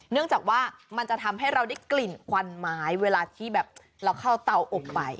เนื่องจากว่ามันจะทำให้เราได้กลิ่นควันไม้เวลาที่แบบเราเข้าเตาอบไป